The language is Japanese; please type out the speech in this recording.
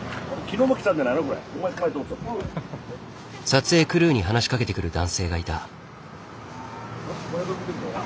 撮影クルーに話しかけてくる男性がいた。